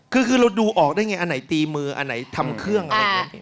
คือเราดูออกได้ไงอันไหนตีมืออันไหนทำเครื่องอะไรอย่างนี้